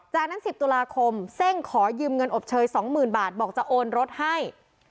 จากนั้น๑๐ตุลาคมเซ่งขอยืมเงินอบเชย๒๐๐๐บาทบอกจะโอนรถให้